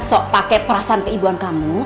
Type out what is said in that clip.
sok pakai perasaan keibuan kamu